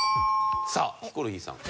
さあヒコロヒーさん。